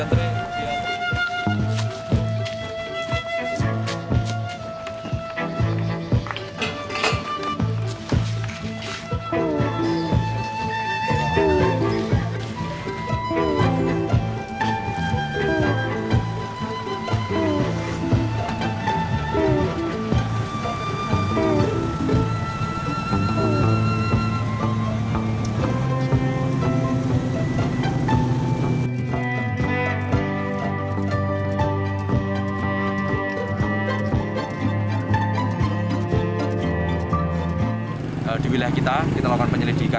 di wilayah kita kita lakukan penyelidikan